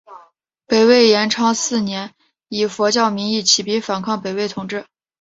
北魏延昌四年以佛教名义起兵反抗北魏统治。